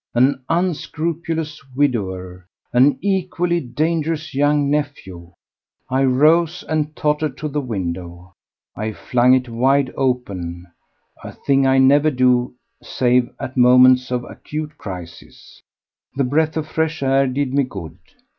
—an unscrupulous widower!—an equally dangerous young nephew. I rose and tottered to the window. I flung it wide open—a thing I never do save at moments of acute crises. The breath of fresh air did me good.